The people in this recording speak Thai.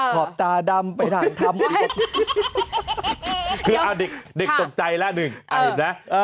ขอบตาดำไปทางทำคือเอาเด็กตกใจละหนึ่งเอาเห็นไหมเออ